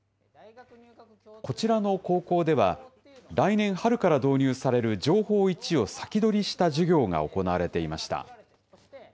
こちらの高校では、来年春から導入される情報Ｉを先取りした授業が行われていました。